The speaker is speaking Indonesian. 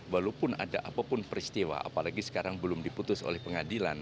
walaupun ada apapun peristiwa apalagi sekarang belum diputus oleh pengadilan